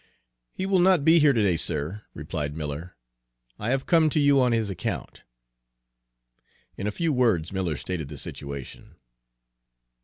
"He will not be here to day, sir," replied Miller. "I have come to you on his account." In a few words Miller stated the situation.